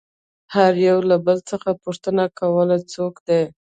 هر يوه له بل څخه پوښتنه کوله څوک دى.